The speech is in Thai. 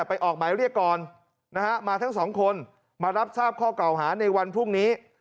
ออกหมายเรียกก่อนนะฮะมาทั้งสองคนมารับทราบข้อเก่าหาในวันพรุ่งนี้